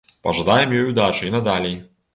Пажадаем ёй удачы і надалей!